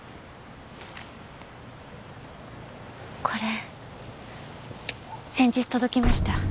これ先日届きました。